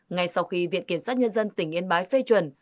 ngay sau khi viện kiểm sát nhân dân tỉnh yên bái phê chuẩn